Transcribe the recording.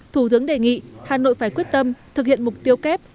thủ tướng đề nghị hà nội phải quyết tâm thực hiện mục tiêu kép